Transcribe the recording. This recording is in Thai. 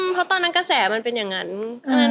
เพราะตอนนั้นกระแสมันเป็นอย่างนั้น